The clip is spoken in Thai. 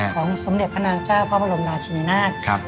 สมเด็จพระนางเจ้าพระบรมราชินินาศ